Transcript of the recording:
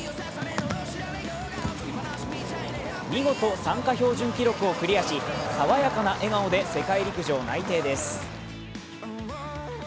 見事、参加標準記録をクリアし爽やかな笑顔で世界陸上内定です。